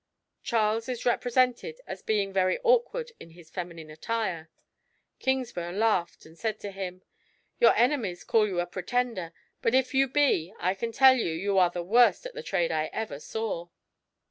Charles is represented as being very awkward in his feminine attire: Kingsburgh laughed and said to him. "Your enemies call you a Pretender; but if you be, I can tell you, you are the worst at the trade I ever saw."